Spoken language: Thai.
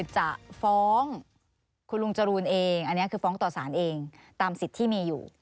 จะฟ้องคุณลุงจรูนเองอันนี้คือฟ้องต่อสารเองตามสิทธิ์ที่มีอยู่